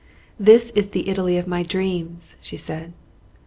"This is the Italy of my dreams," she said.